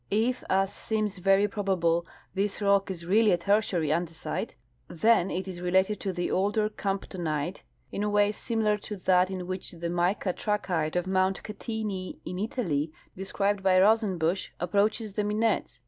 If, as seems very probable, this rock is really a Tertiary andesite, then it is related to the older caniptonite in a way similar to that in which the mica trachyte of mount Catini, in Italy, described hj Rosenbusch,* a^jproaches the minettes.